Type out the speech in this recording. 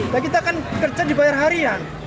ya kita kan kerja dibayar harian